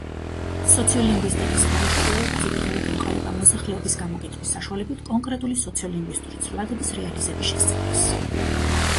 სოციოლინგვისტიკის სფეროში კვლევები ძირითადად ემყარება მოსახლეობის გამოკითხვის საშუალებით კონკრეტული სოციოლინგვისტური ცვლადების რეალიზების შესწავლას.